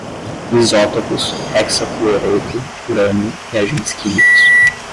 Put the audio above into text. isótopos, hexafluoreto, urânio, reagentes químicos